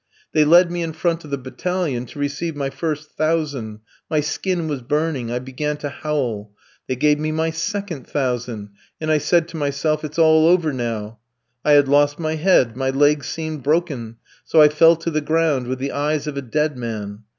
They led me in front of the battalion to receive my first thousand; my skin was burning, I began to howl. They gave me my second thousand, and I said to myself, 'It's all over now.' I had lost my head, my legs seemed broken, so I fell to the ground, with the eyes of a dead man.